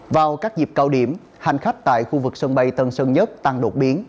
vào các dịp cao điểm hành khách tại khu vực sân bay tân sơn nhất tăng đột biến